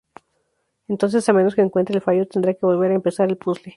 Entonces, a menos que encuentre el fallo, tendrá que volver a empezar el puzzle.